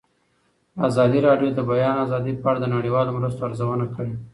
ازادي راډیو د د بیان آزادي په اړه د نړیوالو مرستو ارزونه کړې.